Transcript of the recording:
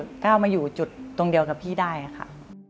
ก้าวมาอยู่จุดตรงเดียวกับพี่ได้ค่ะ